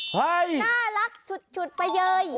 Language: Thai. น่ารักฉุดไปเลย